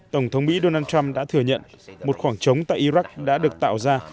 tổng thống mỹ donald trump đã thừa nhận một khoảng trống tại iraq đã được tạo ra